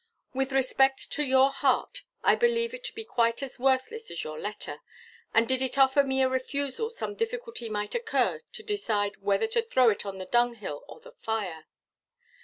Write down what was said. With respect to your heart I believe it to be quite as worthless as your letter, and did it offer me a refusal some difficulty might occur to decide whether to throw it on the dunghill or the fire.